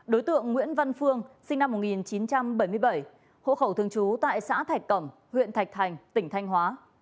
đối tượng nguyễn văn phương sinh năm một nghìn chín trăm bảy mươi bảy hộ khẩu thường trú tại xã thạch cẩm huyện thạch thành tỉnh thanh hóa